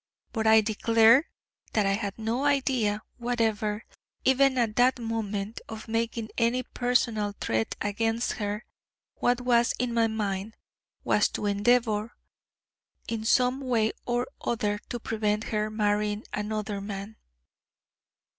But I declare that I had no idea whatever, even at that moment, of making any personal threat against her. What was in my mind was to endeavour in some way or other to prevent her marrying another man."